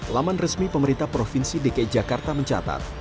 laman resmi pemerintah provinsi dki jakarta mencatat